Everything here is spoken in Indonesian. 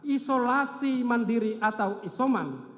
isolasi mandiri atau isoman